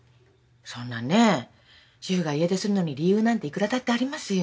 そんなね主婦が家出するのに理由なんていくらだってありますよ。